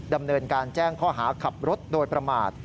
ดำเนินการแจ้งข้อหาขับรถโดยประมาท